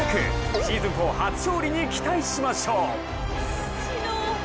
シーズン４初勝利に期待しましょう。